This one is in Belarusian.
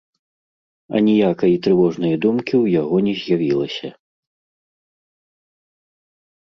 Аніякай трывожнай думкі ў яго не з'явілася.